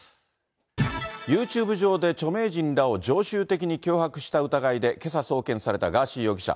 ユーチューブ上で著名人らを常習的に脅迫した疑いで、けさ送検されたガーシー容疑者。